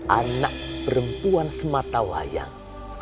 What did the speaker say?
anak perempuan sematawayang